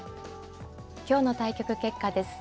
今日の対局結果です。